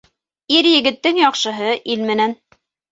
Ир-егеттең яҡшыһы ил менән.